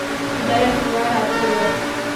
ډله کليوال راټول ول.